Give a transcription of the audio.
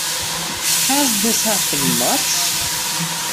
Has this happened much?